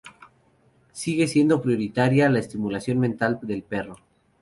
Sigue siendo prioritaria la estimulación mental del perro.